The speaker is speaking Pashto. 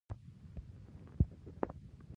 مدیریت د چارو رهبري کول دي.